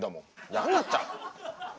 嫌になっちゃう。